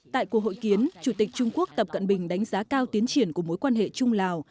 tại cuộc hội kiến chủ tịch trung quốc tập cận bình đánh giá cao tiến triển của mối quan hệ trung lào